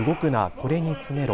これに詰めろ。